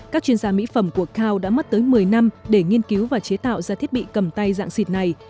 các chuyên gia mỹ phẩm của kao đã mất tới một mươi năm để nghiên cứu và chế tạo ra thiết bị cầm tay dạng xịt này